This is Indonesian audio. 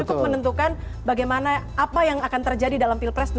cukup menentukan bagaimana apa yang akan terjadi dalam pilpres dua ribu dua puluh empat